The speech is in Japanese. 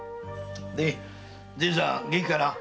で善さんは元気かな？